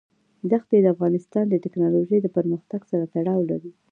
دښتې د افغانستان د تکنالوژۍ د پرمختګ سره تړاو لري.